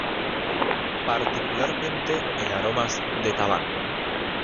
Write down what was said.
Particularmente, en aromas de tabaco.